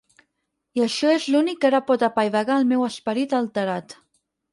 I això és l'únic que ara pot apaivagar el meu esperit alterat.